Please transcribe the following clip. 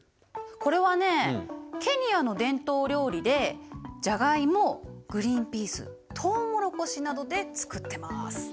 これはねケニアの伝統料理でジャガイモグリンピーストウモロコシなどで作ってます。